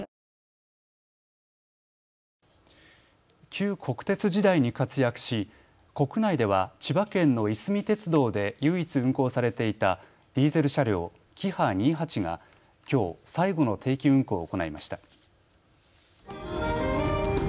旧国鉄時代に活躍し、国内では千葉県のいすみ鉄道で唯一運行されていたディーゼル車両キハ２８がきょう最後の定期運行を行いました。